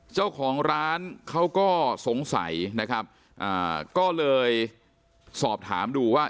เจ้าของร้านเขาก็สงสัยนะครับอ่าก็เลยสอบถามดูว่า